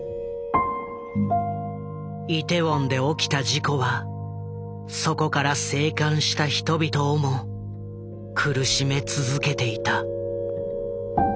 イテウォンで起きた事故はそこから生還した人々をも苦しめ続けていた。